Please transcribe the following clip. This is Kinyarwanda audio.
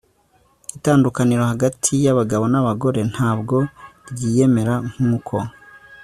itandukaniro hagati yabagabo nabagore ntabwo ryiyemera nkuko